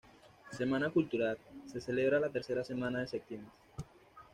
Semana cultural: Se celebra la tercera semana de septiembre.